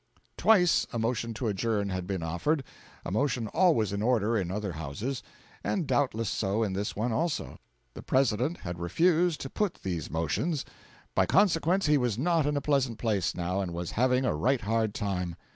Twice a motion to adjourn had been offered a motion always in order in other Houses, and doubtless so in this one also. The President had refused to put these motions. By consequence, he was not in a pleasant place now, and was having a right hard time.